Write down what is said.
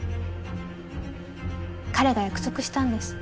彼が約束したんです。